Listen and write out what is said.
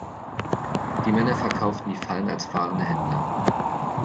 Die Männer verkauften die Fallen als fahrende Händler.